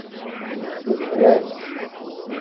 Ssuter-as.